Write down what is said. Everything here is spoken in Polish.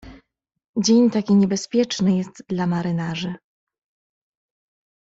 "Dzień taki niebezpieczny jest dla marynarzy."